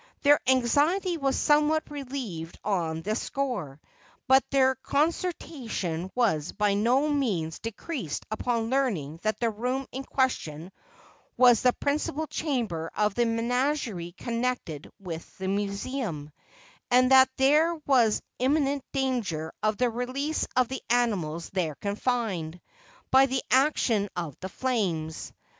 Their anxiety was somewhat relieved on this score, but their consternation was by no means decreased upon learning that the room in question was the principal chamber of the menagerie connected with the Museum, and that there was imminent danger of the release of the animals there confined, by the action of the flames.